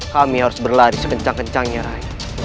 kami harus berlari sekencang kencangnya rai